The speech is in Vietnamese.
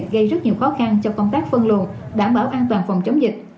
gây rất nhiều khó khăn cho công tác phân luồn đảm bảo an toàn phòng chống dịch